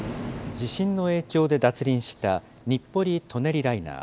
地震の影響で脱輪した日暮里・舎人ライナー。